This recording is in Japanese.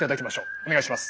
お願いします。